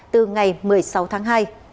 từ ngày một mươi sáu tháng hai